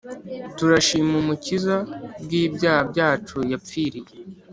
Turashima umukiza kubwi byaha byacu yapfiriye